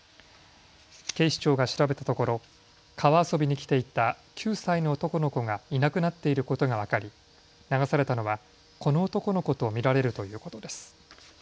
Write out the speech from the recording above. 警視庁が調べたところ川遊びに来ていた９歳の男の子がいなくなっていることが分かり流されたのはこの男の子と見られるということです。